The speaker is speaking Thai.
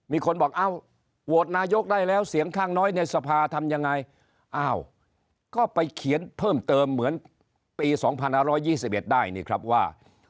มีคนบอกเอ้าโหวตนายกได้แล้วเสียงข้างน้อยในสภาทำยังไงอ้าวก็ไปเขียนเพิ่มเติมเหมือนปี๒๕๒๑ได้นี่ครับว่า